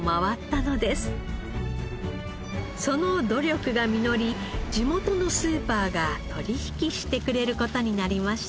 その努力が実り地元のスーパーが取引してくれる事になりました。